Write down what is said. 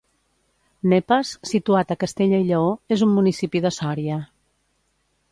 Nepas, situat a Castella i Lleó, és un municipi de Sòria.